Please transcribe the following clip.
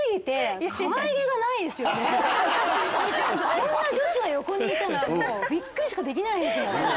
こんな女子が横にいたらもうビックリしかできないですもん。